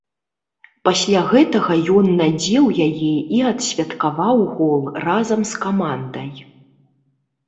Пасля гэтага ён надзеў яе і адсвяткаваў гол разам з камандай.